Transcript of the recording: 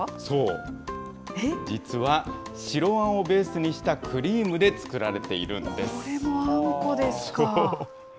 そう、実は、白あんをベースにしたクリームで作られているんこれもあんこですか。